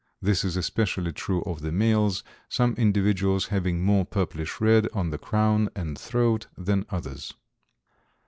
This is especially true of the males, some individuals having more purplish red on the crown and throat than others.